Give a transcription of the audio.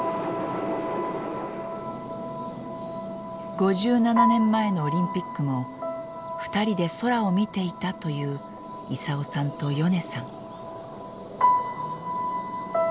５７年前のオリンピックも２人で空を見ていたという功さんとヨネさん。